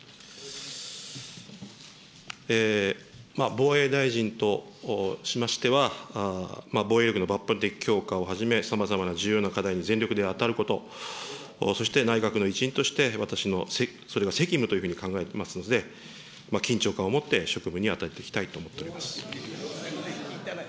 防衛大臣としましては、防衛力の抜本的強化をはじめ、さまざまな重要な課題に全力で当たること、そして、内閣の一員として、私のそれを責務というふうに考えていますので、緊張感を持って、職務に当たっていきたいと思っております。